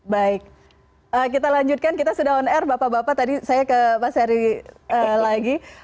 baik kita lanjutkan kita sudah on air bapak bapak tadi saya ke pak seri lagi